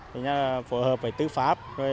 thứ nhất là phối hợp với tư pháp